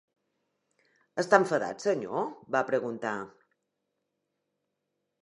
"Està enfadat, senyor?", va preguntar.